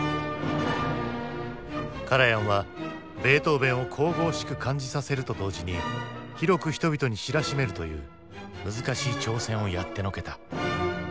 カラヤンはベートーヴェンを神々しく感じさせると同時に広く人々に知らしめるという難しい挑戦をやってのけた。